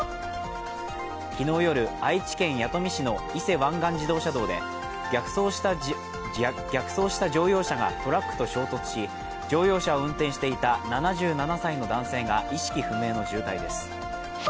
昨日夜、愛知県弥富市の伊勢湾岸自動車道で逆走してきた乗用車がトラックと衝突し、乗用車を運転していた７７歳の男性が意識不明の重体です。